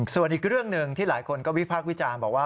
ส่วนอีกเรื่องหนึ่งที่หลายคนก็วิพากษ์วิจารณ์บอกว่า